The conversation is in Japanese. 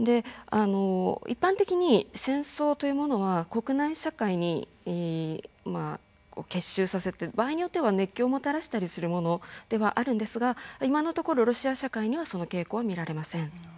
一般的に戦争というものは国内社会に結集させて、場合によっては熱気をもたらしたりするものもあるんですが今のところロシア社会にはその傾向は見られません。